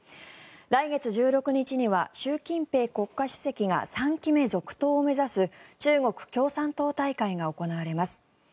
来月１６日には習近平国家主席が３期目続投を目指す中国共産党大会が開かれます。